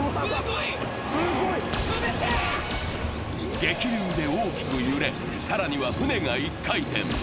激流で大きく揺れ、更には船が１回転。